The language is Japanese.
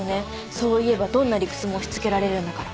そう言えばどんな理屈も押しつけられるんだから。